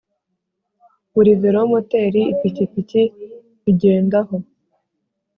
Buri Velomoteri, ipikipiki mbigendaho